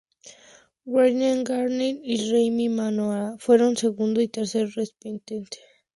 Wayne Gardner y Randy Mamola fueron segundo y tercero respectivamente.